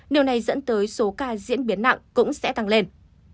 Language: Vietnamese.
điều này dẫn tới số ca diễn biến nặng cũng sẽ tăng lên